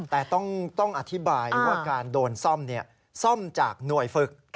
แต่ต้องอธิบายว่าการโดนซ่อมซ่อมจากหน่วยฝึก